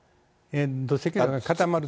土石流が固まる？